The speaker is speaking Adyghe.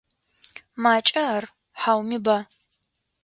Макӏа ар, хьауми ба?